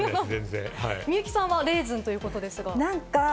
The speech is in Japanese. みゆきさんはレーズンということですが。